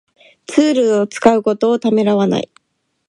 ツールを使うことをためらわない